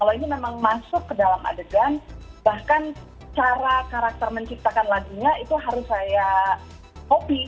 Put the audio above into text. kalau ini memang masuk ke dalam adegan bahkan cara karakter menciptakan lagunya itu harus saya hobi